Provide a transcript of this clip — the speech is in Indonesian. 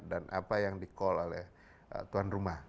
dan apa yang di call oleh tuan rumah